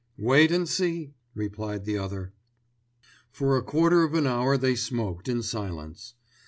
"Wait and see!" replied the other. For a quarter of an hour they smoked in silence.